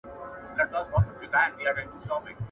په بازارونو کي باید د بیو د توازن سیسټم پلی سي.